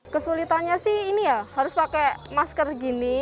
kesulitannya sih ini ya harus pakai masker gini